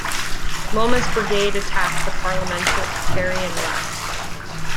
Wilmot's brigade attacked the Parliamentarian left.